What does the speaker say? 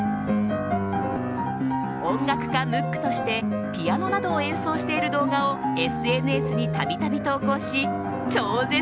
音楽家ムックとしてピアノなどを演奏している動画をＳＮＳに度々投稿し超絶